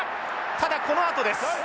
ただこのあとです。